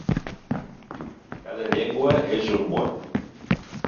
Cada llengua és un món.